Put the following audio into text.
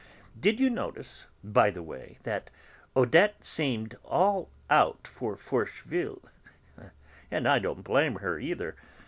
Did you notice, by the way, that Odette seemed all out for Forcheville, and I don't blame her, either.